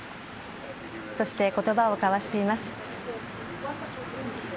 そして、言葉を交わしています。